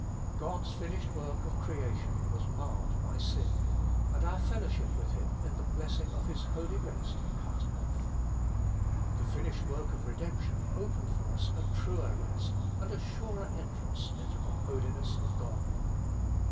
God's finished work of Creation was marred by sin, and our fellowship with Him in the blessing of His holy rest cut off. The finished work of redemp tion opened for us a truer rest and a surer entrance into the Holiness of God.